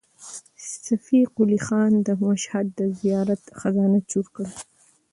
صفي قلي خان د مشهد د زیارت خزانه چور کړه.